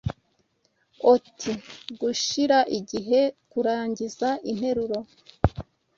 ot gushira igihe kurangiza interuro.